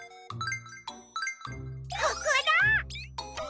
ここだ！